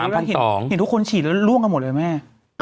เห็นทุกคนฉีนแล้วลุ้งกันหมดเลยมั้ย